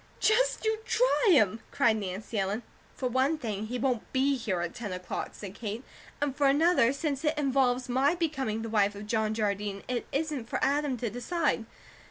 "Just you try him!" cried Nancy Ellen. "For one thing, he won't be here at ten o'clock," said Kate, "and for another, since it involves my becoming the wife of John Jardine, it isn't for Adam to decide.